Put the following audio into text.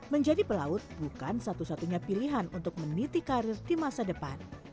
menjadi pelaut bukan satu satunya pilihan untuk meniti karir di masa depan